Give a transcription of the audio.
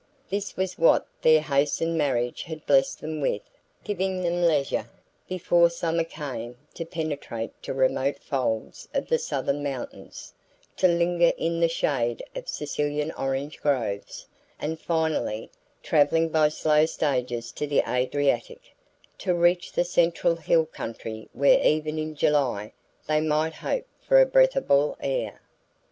This was what their hastened marriage had blessed them with, giving them leisure, before summer came, to penetrate to remote folds of the southern mountains, to linger in the shade of Sicilian orange groves, and finally, travelling by slow stages to the Adriatic, to reach the central hill country where even in July they might hope for a breathable air.